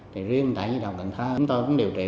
thì riêng tại dịch vụ cần thơ chúng tôi cũng điều trị